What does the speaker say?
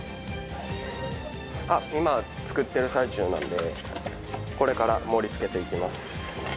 あっ、今作っている最中なんで、これから盛りつけていきます。